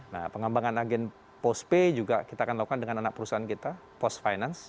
nah pengembangan agen postpay juga kita akan lakukan dengan anak perusahaan kita post finance